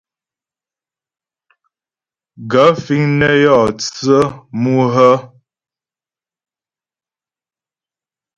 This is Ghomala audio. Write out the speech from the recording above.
Gaə̂ fíŋ nə́ yɔ tsə́ mú hə́ ?